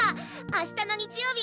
明日の日曜日